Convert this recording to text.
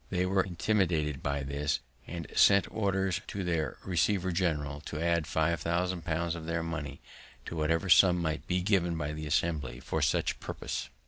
They were intimidated by this, and sent orders to their receiver general to add five thousand pounds of their money to whatever sum might be given by the Assembly for such purpose.